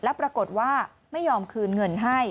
แล้วปรากฏว่าไม่ยอมคืนเงินให้